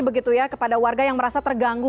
begitu ya kepada warga yang merasa terganggu